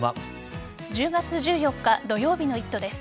１０月１４日土曜日の「イット！」です。